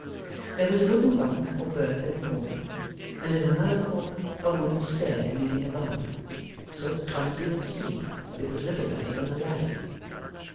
There was a wooden bunk or berth in a corner, and in another corner a wooden stair leading above so clumsy and steep that it was little better than a ladder.